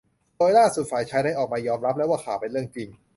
โดยล่าสุดฝ่ายชายก็ได้ออกมายอมรับแล้วว่าข่าว เป็นเรื่องจริง